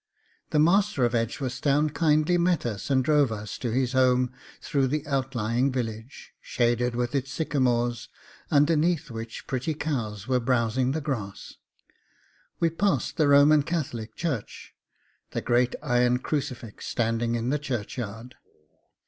The master of Edgeworthstown kindly met us and drove us to his home through the outlying village, shaded with its sycamores, underneath which pretty cows were browsing the grass. We passed the Roman Catholic Church, the great iron crucifix standing in the churchyard.